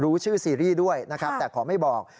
รู้ชื่อซีรีส์ด้วยนะครับแต่ขอไม่บอก